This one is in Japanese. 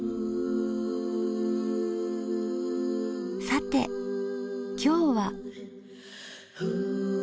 さて今日は。